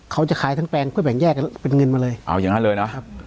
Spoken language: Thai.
เขาจะขายทั้งแปลงเพื่อแบ่งแยกเป็นเงินมาเลยเอาอย่างนั้นเลยนะครับ